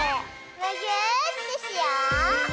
むぎゅーってしよう！